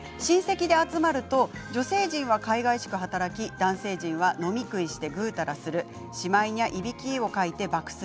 親戚で集まると女性陣がかいがいしく働き男性陣は飲食してぐうたらするしまいには、いびきをかいて爆睡。